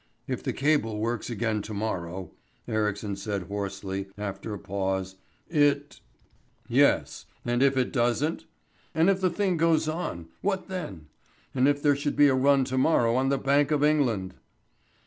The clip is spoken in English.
"If the cable works again to morrow." Ericsson said hoarsely after a pause, "it " "Yes, and if it doesn't? And if the thing goes on, what then? And if there should be a run to morrow on the Bank of England!"